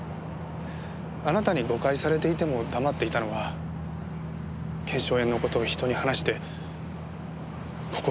あなたに誤解されていても黙っていたのは腱鞘炎の事を人に話して心苦しく思ってたんでしょうね。